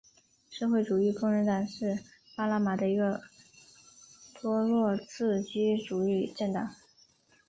社会主义工人党是巴拿马的一个托洛茨基主义政党。